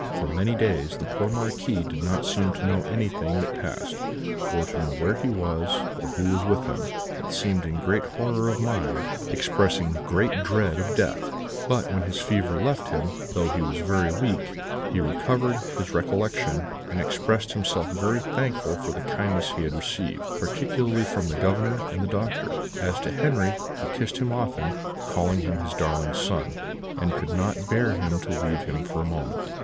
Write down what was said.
"For many days the poor Marquis did not seem to know anything that passed, or to know where he was, or who was with him, but seemed in great horror of mind, expressing great dread of death; but when his fever left him, though he was very weak, he recovered his recollection, and expressed himself very thankful for the kindness he had received, particularly from the Governor and the doctor. As to Henri, he kissed him often, called him his darling son, and could not bear him to leave him for a moment.